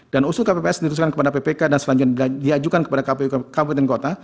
dan usul kpps diusulkan kepada ppk dan selanjutnya diajukan kepada kpyk